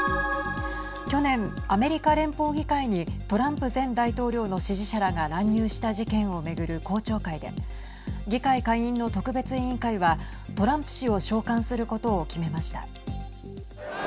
去年、アメリカ連邦議会にトランプ前大統領の支持者らが乱入した事件を巡る公聴会で議会下院の特別委員会はトランプ氏を召喚することを決めました。